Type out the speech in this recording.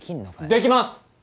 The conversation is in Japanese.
できます！